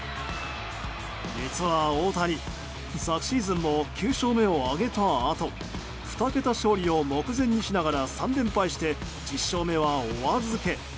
実は大谷、昨シーズンも９勝目を挙げたあと２桁勝利を目前にしながら３連敗して１０勝目は、お預け。